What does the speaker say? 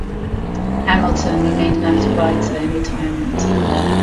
Hamilton remained an active writer in retirement.